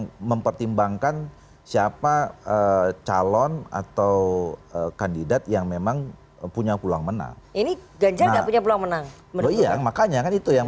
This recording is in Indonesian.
yang mempertimbangkan siapa calon atau kandidat yang memang punya peluang menang